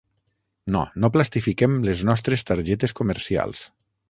No, no plastifiquem les nostres targetes comercials.